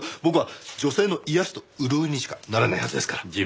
僕は女性の癒やしと潤いにしかならないはずですから。